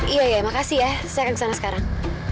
iya iya makasih ya saya akan kesana sekarang